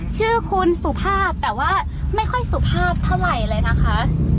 ชื่อคุณสุภาพแต่ว่าไม่ค่อยสุภาพเท่าไหร่เลยนะคะ